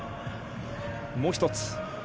もう１つ。